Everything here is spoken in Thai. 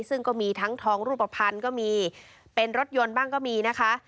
ซึ่งก็มีทั้งทองรูปภัณฑ์ก็มีเป็นรถยนต์บ้างก็มีนะคะ